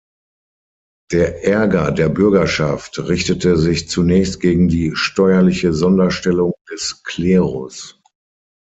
Der Ärger der Bürgerschaft richtete sich zunächst gegen die steuerliche Sonderstellung des Klerus.